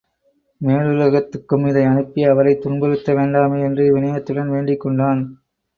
மேலுலகத்துக்கும் இதை அனுப்பி அவரைத் துன்புறுத்த வேண்டமே என்று வினயத்துடன் வேண்டிக் கொண்டான்.